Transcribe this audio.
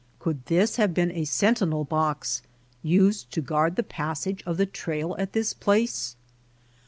Could this have been a sentinel box used to guard the passage of the trail at this place